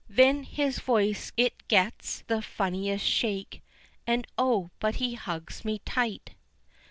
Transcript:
Then his voice it gets the funniest shake, And oh, but he hugs me tight!